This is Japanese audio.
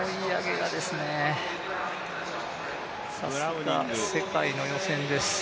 さすが、世界の予選です。